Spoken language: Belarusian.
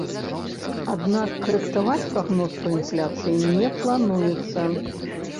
Аднак карэктаваць прагноз па інфляцыі не плануецца.